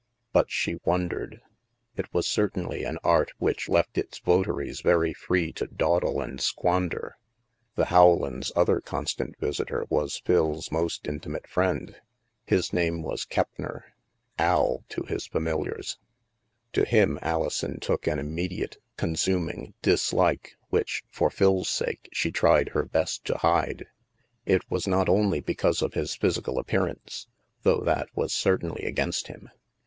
But she wondered! It was certainly an art which left its votaries very free to dawdle and squander. The Howlands' other constant visitor was Phil's most intimate friend; his name was Keppner —" Al " to his familiars. To him Alison took an im mediate consuming dislike which, for Phil's sake, she tried her best to hide. It was not only because of his physical appear THE MAELSTROM 137 ance, though that was certainly against him.